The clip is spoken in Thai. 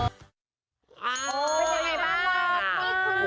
เป็นยังไงบ้าง